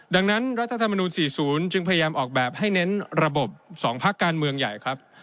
ดังนั้นรัฐธรรมนูล๔๐จึงพยายามออกแบบให้เน้นระบบ๒พักการเมืองใหญ่ครับ